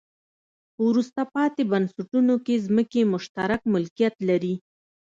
په وروسته پاتې بنسټونو کې ځمکې مشترک ملکیت لري.